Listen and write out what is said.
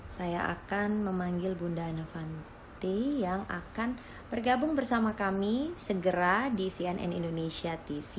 saya akan memanggil bunda avanti yang akan bergabung bersama kami segera di cnn indonesia tv